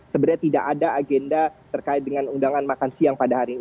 sebenarnya tidak ada agenda terkait dengan undangan makan siang pada hari ini